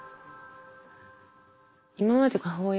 今まで母親